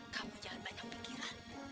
kamu jangan banyak pikiran